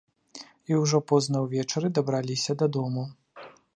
І ўжо позна ўвечары дабраліся дадому.